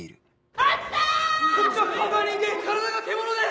こっちは顔が人間体が獣です！